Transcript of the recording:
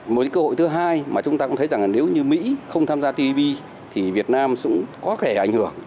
một cái cơ hội thứ hai mà chúng ta cũng thấy rằng là nếu như mỹ không tham gia tpp thì việt nam cũng có thể ảnh hưởng